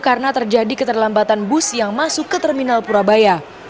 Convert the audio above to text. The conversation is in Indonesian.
karena terjadi keterlambatan bus yang masuk ke terminal purabaya